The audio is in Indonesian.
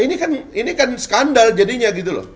ini kan skandal jadinya gitu loh